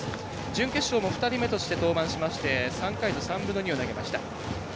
準決勝も２人目として登板しまして３回と３分の２を投げました。